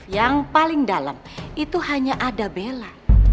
yang paling dalam itu hanya ada bella